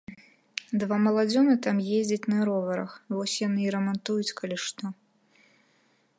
Два маладзёны там ездзяць на роварах, вось яны і рамантуюць, калі што.